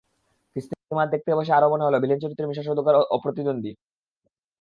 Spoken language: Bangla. কিস্তিমাত দেখতে বসে আবারও মনে হলো, ভিলেন চরিত্রে মিশা সওদাগর অপ্রতিদ্বন্দ্বী।